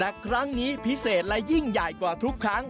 แต่ครั้งนี้พิเศษและยิ่งใหญ่กว่าทุกครั้ง